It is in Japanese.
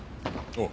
おう。